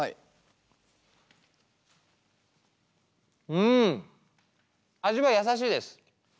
うん味は優しいです。